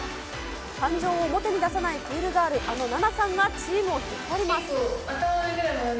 感情を表に出さないクールガール、あのナナさんがチームを引っ張ります。